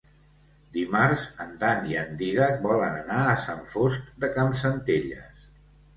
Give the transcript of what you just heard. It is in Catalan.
Dimarts en Dan i en Dídac volen anar a Sant Fost de Campsentelles.